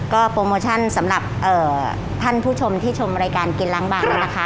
ก็โปรโมชั่นสำหรับท่านผู้ชมที่ชมรายการกินล้างบางนะคะ